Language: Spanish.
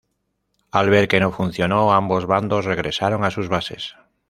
Al ver que no funcionó, ambos bandos regresaron a sus bases.